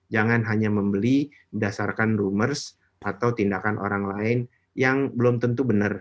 jangan hanya membeli berdasarkan rumors atau tindakan orang lain yang belum tentu benar